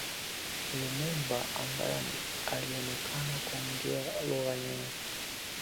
Lumumba ambaye alionekana kuongea lugha nyingi